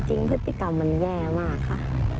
พฤติกรรมมันแย่มากค่ะ